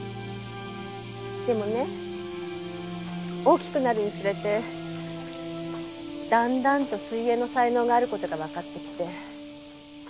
でもね大きくなるにつれてだんだんと水泳の才能がある事がわかってきて。